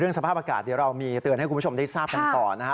เรื่องสภาพอากาศเรามีเตือนให้คุณผู้ชมได้ทราบกันต่อ